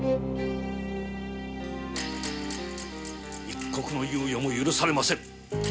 一刻の猶予も許されませぬ。